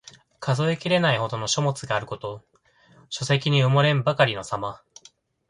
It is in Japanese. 数えきれないほどの書物があること。書籍に埋もれんばかりのさま。